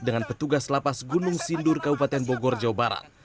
dengan petugas lapas gunung sindur kabupaten bogor jawa barat